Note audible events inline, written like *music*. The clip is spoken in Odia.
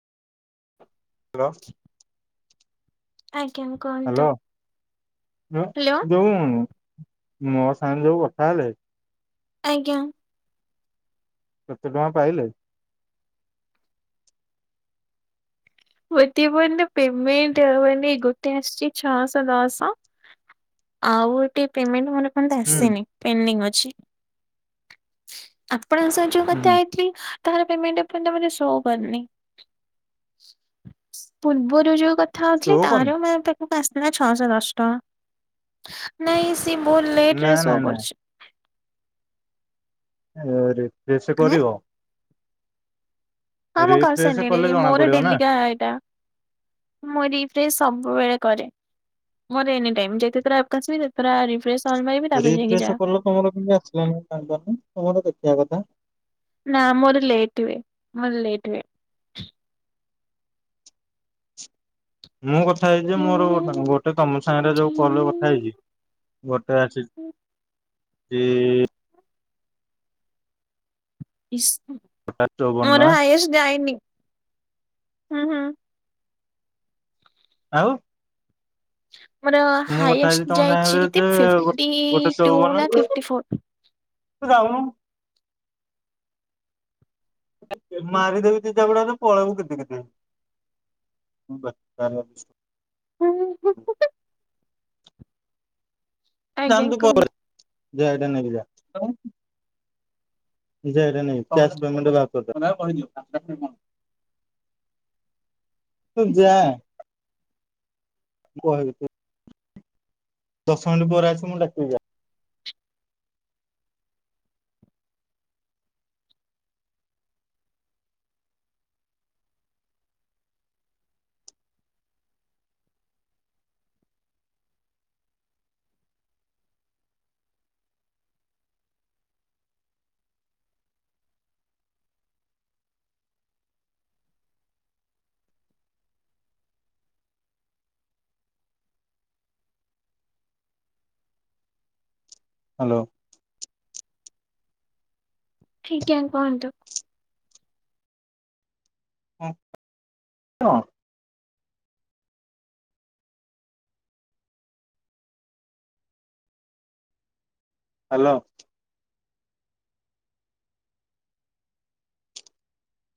ଲ *inaudible* ଆଜ୍ଞା କୁହ। ହାଲୋ ଯୋ ଯୋଉଁ ମୋ ସାଙ୍ଗେ ଯୋଉ କଥା ହେଲେ ଆଜ୍ଞା। କେତେ ଟଙ୍କା ପାଇଲେ? ଉ ଏତି ବୋଇଲେ ପେମେଣ୍ଟ ମାନେ ଗୋଟେ ଆସଚି ଛଅଶ ଦଶ। ଆଉ ଟେ ପେମେଣ୍ଟ ମୋର ଏ ପର୍ଯ୍ୟନ୍ତ ହୁଁ ଆସିନି ପେଣ୍ଡିଂ ଅଛି। ଆଣଙ୍କ ସହ ଯୋଉ ହୁଁ କଥା ହେଇଥିଲି ତାହାର ପେମେଣ୍ଟ ଏପର୍ଯ୍ୟନ୍ତ ମତେ ସୋ କରୁନି। ପୂର୍ବରୁ ଯୋଉ କଥା ଶୋ ହଉଥିଲି କରୁନି ତାର ମା ତ ମୁଁ ପାଁଶ ଦିନ୍ ହେଲା ଛଅଶ ଦଶ ଟଙ୍କା ନାଇଁ ସିଏ ମୋ ଲେଟ୍ ନା ରେ ନା ସୋ ନା କରୁଚି। ଏ ରିଫ୍ରେଶ୍ ହେଁ କରିବ? ହଁ ମୁଁ କରି ରିଫ୍ରେଶ କଲେ ସାରିଲିଣିି ଜଣା ମୋର ପଡିବ ନା। ଡେଲିକା ଏଇଟା। ମୁଁ ରିଫ୍ରେ ସବୁବେଳେ କରେ। ମୋର ଏନି ଟାଇମ ଯେତେଥର ଆପ କୁ ଆସିବି ସେତଥର ରିଫ୍ରେସ ରିଫ୍ରସ କଲ ତମର କେମିତି ଆସିଲା ନି *unintelligible* ତମର ଦେଖିବା କଥା। ନା ମୋର ଲେଟ୍ ହୁଏ ମୋର ଲେଟ୍ ହୁଏ। ମୁଁ କଥା ହେଇଛି ମୋର ଗୋଟେ ତମ ସାଙ୍ଗରେ ଯୋଉ କଲରେ କଥା ହେଇଛି। ଗୋଟେ ଆସିଛି ଚଉବନ ମୋର ଟଙ୍କା ହୟେଶ ଡାଇନି ହୁଁ ହୁଁ। ଆଉ। ମୋର ମୁଁ କଥା ହେଇଛି ହାଇଷ୍ଟ ତମ ଯାଇଛି ସାଙ୍ଗରେ ଯେ କେତେ ଗୋ- ଫିଟି ଗୋଟେ ଟୁ ଚଉବନ ନା ଫିଟି ଫୋର। ତୁ ଯାଉନ। ମାରିଦେବି ଦିଜାପୁଡାରେ ଯେ ପଳେଇବୁକିତି କିତି। ହଁ ବ ଚା *unintelligible* ହୁଁ ହୁଁ। ଜା ଆଜ୍ଞା ତୁ କୁହନ୍ତୁ *unintelligible* ଯ ଏଇଟା ନେଇକି ଯା ସୋଇଟା *unintelligible* ନାଇଁ କ୍ୟାସ ପେମେଣ୍ଟ ବା କର ତୁ ଯା କହିବୁ ତ। ଦଶ ମିନଟ ପରେ ଆସିବୁ ମୁଁ ଡାକିବି ଯା। ହ୍ୟାଲୋ। ଠିକ୍ଆଁ ଜ୍କୁହନ୍ତୁ। ହଁ ହଁ। ହ୍ୟାଲୋ।